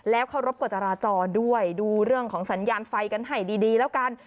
เคารพกฎจราจรด้วยดูเรื่องของสัญญาณไฟกันให้ดีแล้วกัน